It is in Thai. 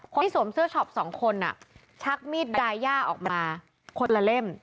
สวมเสื้อช็อปสองคนชักมีดดายย่าออกมาคนละเล่ม